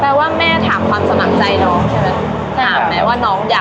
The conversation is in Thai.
มีขอเสนออยากให้แม่หน่อยอ่อนสิทธิ์การเลี้ยงดู